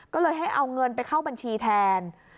ก็เลยให้เอาเงินไปเข้าบัญชีแทน